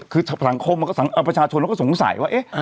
คือสังคมและประชาชนมันก็สงสัยว่า